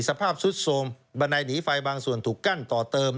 ซุดโทรมบันไดหนีไฟบางส่วนถูกกั้นต่อเติม